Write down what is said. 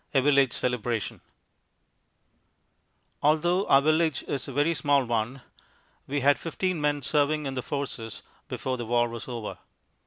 A Village Celebration Although our village is a very small one, we had fifteen men serving in the Forces before the war was over.